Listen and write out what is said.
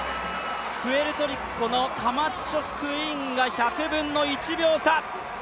プエルトリコのカマチョクインが１００分の１秒差。